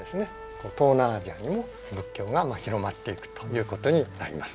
東南アジアにも仏教が広まっていくということになります。